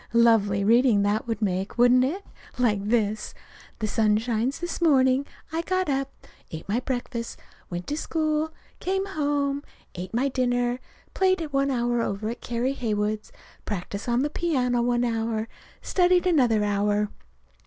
Lovely reading that would make, wouldn't it? Like this: "The sun shines this morning. I got up, ate my breakfast, went to school, came home, ate my dinner, played one hour over to Carrie Heywood's, practiced on the piano one hour, studied another hour.